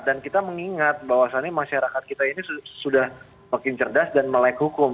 dan kita mengingat bahwasannya masyarakat kita ini sudah makin cerdas dan melek hukum